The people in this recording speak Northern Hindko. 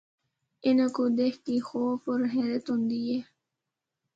اِناں کو دکھ کے خوف ہور حیرت ہوندی ہے۔